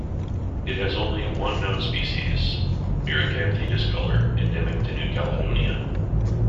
It has only one known species, "Myricanthe discolor", endemic to New Caledonia.